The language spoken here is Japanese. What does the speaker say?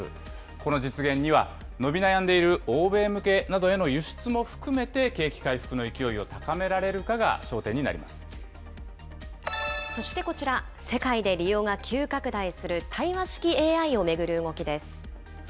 この実現には、伸び悩んでいる欧米向けなどへの輸出も含めて景気回復の勢いを高そしてこちら、世界で利用が急拡大する対話式ＡＩを巡る動きです。